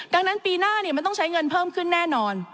ดังนั้นปีหน้ามันต้องใช้เงินเพิ่มขึ้นแน่นอน